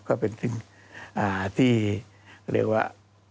ก็เป็นสิ่งที่เขาเรียกว่า